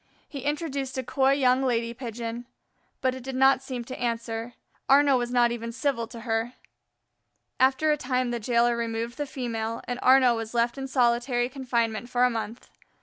He introduced a coy young lady Pigeon. But it did not seem to answer; Arnaux was not even civil to her. After a time the jailer removed the female, and Arnaux was left in solitary confinement for a month.